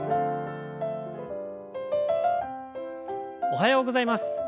おはようございます。